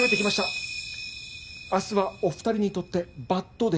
明日はお二人にとってバッドデー。